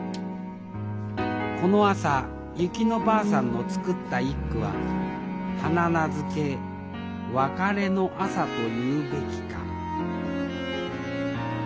この朝薫乃ばあさんの作った一句は「花菜漬別れの朝と言ふべきか」